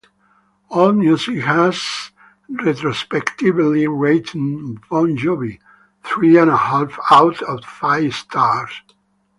AllMusic has retrospectively rated "Bon Jovi" three-and-a-half out of five stars.